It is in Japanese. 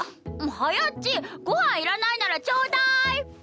はやっちご飯いらないならちょうだい！